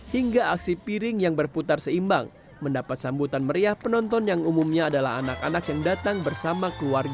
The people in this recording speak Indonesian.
hingga aksi piring yang berputar seimbang mendapat sambutan meriah penonton yang umumnya adalah anak anak yang datang bersama keluarga